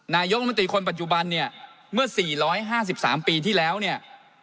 นายกรมตรีคนปัจจุบันเนี้ยเมื่อสี่ร้อยห้าสิบสามปีที่แล้วเนี้ย